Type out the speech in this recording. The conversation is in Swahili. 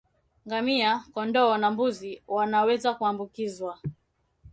Ngamia kondoo na mbuzi wanaweza kuambukizwa